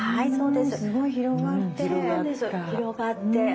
うんすごい広がって。